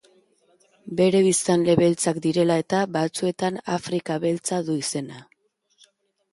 Bere biztanle beltzak direla eta, batzuetan Afrika Beltza du izena.